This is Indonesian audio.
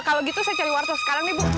oh kalau gitu saya cari wartor sekarang nih bu